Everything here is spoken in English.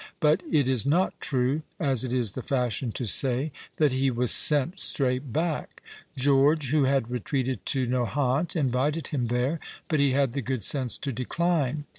But it is not true, as it is the fashion to say, 244 PAGELLO that he was " sent straight back." George, who had retreated to Nohant, invited him there, but he had the good sense to dechne.